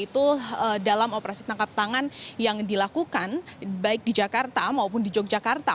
tangkap tangan yang dilakukan baik di jakarta maupun di yogyakarta